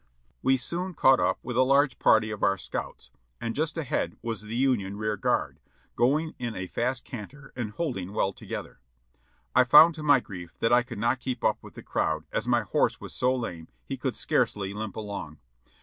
We soon caught up with a large party of our scouts, and just ahead was the Union rear guard, going in a fast canter and hold ing well together. I found to my grief that I could not keep up with the crowd, as my horse was so lame he could scarcely limp along.